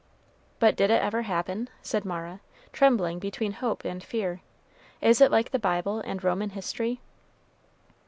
"But did it ever happen?" said Mara, trembling between hope and fear. "Is it like the Bible and Roman history?"